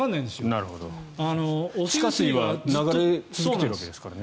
地下水は流れ続けるわけですからね。